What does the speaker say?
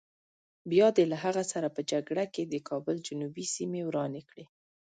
بیا دې له هغه سره په جګړه کې د کابل جنوبي سیمې ورانې کړې.